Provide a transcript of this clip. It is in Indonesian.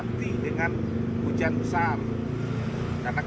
gempa apalagi jika hujan deras melanda wilayah garut saya berharap semua waspada hati hati dengan